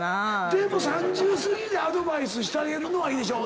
でも３０すぎでアドバイスしてあげるのはいいでしょ？